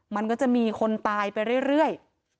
มันก็จะมีคนตายไปเรื่อย